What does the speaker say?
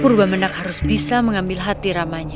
purba menak harus bisa mengambil hati ramanya